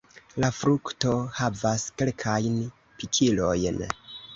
La frukto havas kelkajn pikilojn.